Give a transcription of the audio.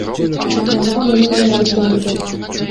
УКМК муну менен алектенүүдө.